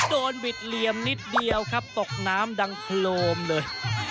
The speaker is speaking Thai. บิดเหลี่ยมนิดเดียวครับตกน้ำดังโครมเลย